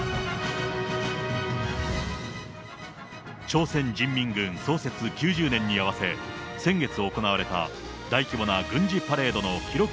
朝鮮人民軍創設９０年に合わせ、先月行われた大規模な軍事パレードの記録